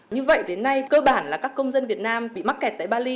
như vậy đến nay cơ bản là các công dân việt nam bị mắc kẹt tại bali